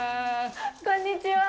こんにちは。